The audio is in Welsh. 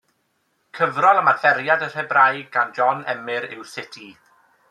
Cyfrol am adferiad yr Hebraeg gan John Emyr yw Sut I.